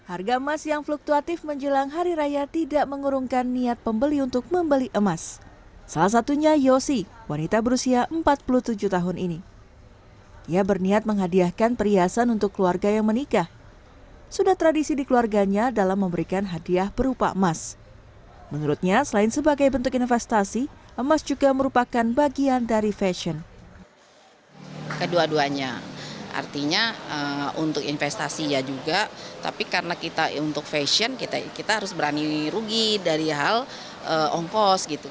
artinya untuk investasi ya juga tapi karena kita untuk fashion kita harus berani rugi dari hal ongkos gitu